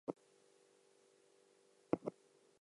Sykes is a member of the Federalist Society.